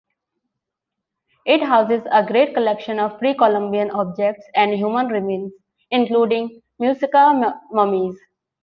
It houses a great collection of Pre-Columbian objects and human remains, including Muisca mummies.